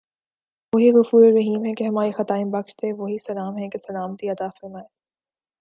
وہی غفورالرحیم ہے کہ ہماری خطائیں بخش دے وہی سلام ہے کہ سلامتی عطافرمائے